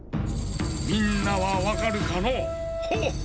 ⁉みんなはわかるかのう？